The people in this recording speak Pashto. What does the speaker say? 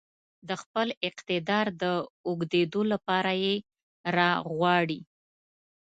د خپل اقتدار د اوږدېدو لپاره يې راغواړي.